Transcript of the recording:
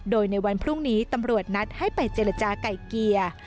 โดยในวันพรุ่งนี้ตำรวจนัดให้ไปเจรจาไก่เกลี่ย